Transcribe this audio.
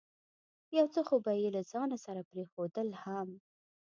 یو څه خو به یې له ځانه سره پرېښودل هم.